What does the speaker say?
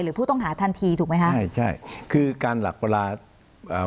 หรือผู้ต้องหาทันทีถูกไหมฮะใช่ใช่คือการหลักประราชา